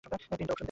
তিনটা অপশন দে।